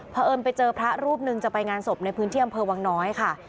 เพราะเอิญไปเจอพระรูปหนึ่งจะไปงานศพในพื้นที่อำเภอวังน้อยค่ะ